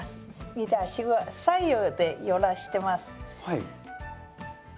見て足は左右で揺らしてます。